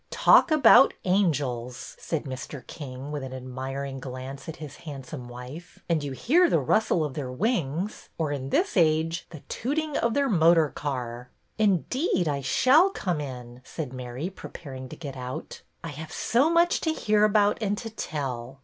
'' Talk about angels," said Mr. King, with an admiring glance at his handsome wife, '' and you hear the rustle of their wings, or, in this age, the tooting of their motor car." " Indeed, I shall come in," said Mary, prepar ing to get out. I have so much to hear about and to tell.